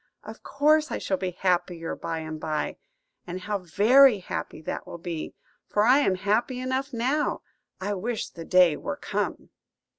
Of course I shall be happier by and by; and how very happy that will be, for I am happy enough now. I wish the day were come!"